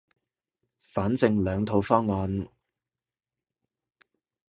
反正兩套方案